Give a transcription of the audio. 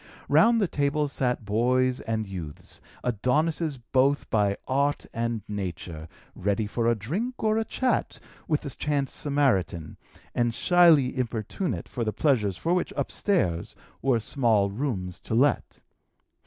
Round the tables sat boys and youths, Adonises both by art and nature, ready for a drink or a chat with the chance Samaritan, and shyly importunate for the pleasures for which, upstairs, were small rooms to let.